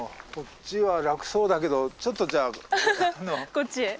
こっちへ。